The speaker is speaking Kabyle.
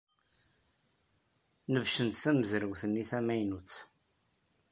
Nebcent tamezrawt-nni tamaynut.